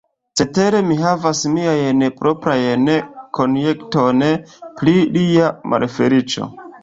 Cetere, mi havas miajn proprajn konjektojn pri lia malfeliĉo.